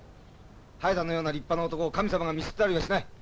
ハヤタのような立派な男を神様が見捨てたりはしない。